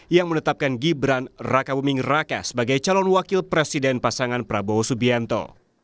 yang menetapkan gibran raka buming raka sebagai calon wakil presiden pasangan prabowo subianto